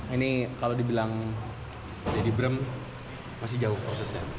ini kalau dibilang jadi brem masih jauh prosesnya